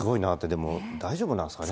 でも、大丈夫なんすかね。